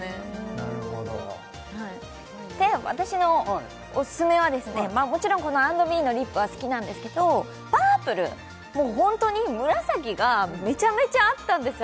なるほど私のオススメはもちろんこの＆ｂｅのリップは好きなんですけどパープルもうホントに紫がめちゃめちゃあったんですよ＠